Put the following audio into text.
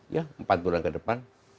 ya empat bulan ke depan